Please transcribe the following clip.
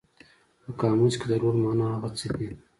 په قاموس کې د رول مانا هغه څه دي.